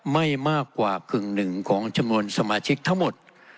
ไม่มากกว่ากึ่งหนึ่งของจำนวนสมาชิกทั้งหมด